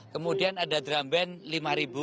kemudian ada drum band lima ribu